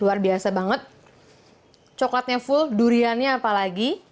luar biasa banget coklatnya full duriannya apalagi